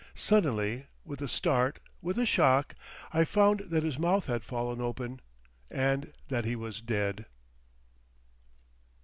Suddenly, with a start, with a shock, I found that his mouth had fallen open, and that he was dead....